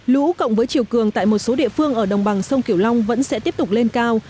lũ cộng với chiều cường tại một số địa phương ở đồng bằng sông kiểu long vẫn sẽ tiếp tục lên cao